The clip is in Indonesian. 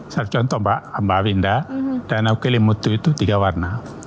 satu contoh mbak mbak winda danau kelimutu itu tiga warna